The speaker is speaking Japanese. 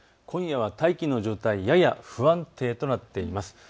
今夜は大気の状態、やや不安定となっています。